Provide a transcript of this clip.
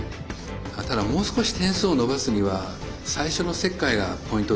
ただもう少し点数を伸ばすには最初の切開がポイントでしたね。